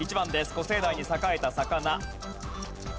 古生代に栄えた魚。